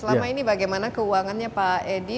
selama ini bagaimana keuangannya pak edi